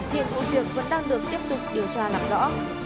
hiện vụ việc vẫn đang được tiếp tục điều tra làm rõ